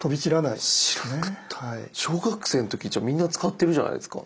小学生の時じゃあみんな使ってるじゃないですか。